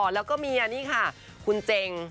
แล้วก็เมียนี่ค่ะคุณเจง